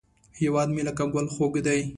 هیواد مې لکه ګل خوږ دی